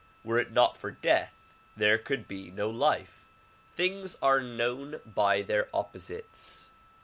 Were it not for death there could be no life. Things are known by their opposites.